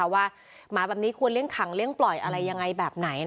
หมาแบบนี้ควรเลี้ยขังเลี้ยงปล่อยอะไรยังไงแบบไหน